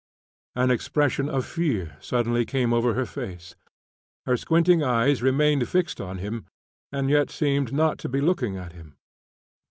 An expression of fear suddenly came over her face. Her squinting eyes remained fixed on him, and yet seemed not to be looking at him.